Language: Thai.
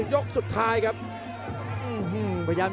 โยกขวางแก้งขวา